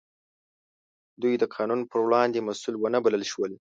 دوی د قانون په وړاندې مسوول ونه بلل شول.